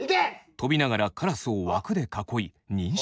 飛びながらカラスを枠で囲い認識。